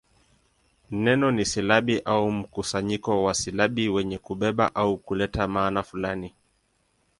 Neno ni silabi au mkusanyo wa silabi wenye kubeba au kuleta maana fulani.